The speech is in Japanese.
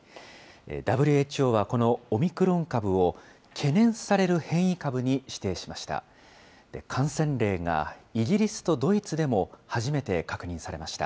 ＷＨＯは、このオミクロン株を懸念される変異株に指定しました。